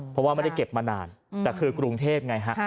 เพราะว่าไม่ได้เก็บมานานแต่คือกรุงเทพไงฮะ